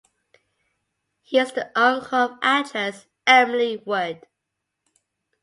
He is the uncle of actress Emily Wood.